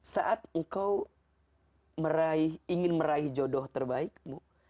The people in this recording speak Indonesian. saat engkau ingin meraih jodoh terbaikmu